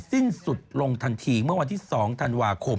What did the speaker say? สิ้นสุดลงทันทีเมื่อวันที่๒ธันวาคม